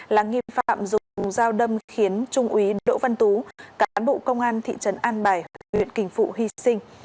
là nghi phạm dùng dao đâm khiến trung úy đỗ văn tú cán bộ công an thị trấn an bài huyện kỳnh phụ hy sinh